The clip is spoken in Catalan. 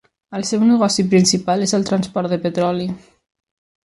El seu negoci principal és el transport de petroli.